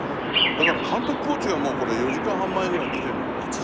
だから監督コーチはもうこれ４時間半前ぐらいに来てるんだもん。